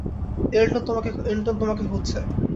এন্টন তোমাকে খুঁজছে।